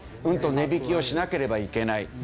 うんと値引きをしなければいけない。